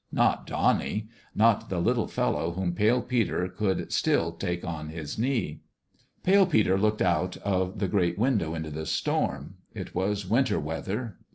Not Donnie ! not the little fellow whom Pale Peter could still take on his knee. Pale Peter looked out of the great window into the storm. It was winter weather.